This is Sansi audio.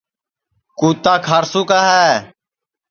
کُوتا کھارسو کا ہے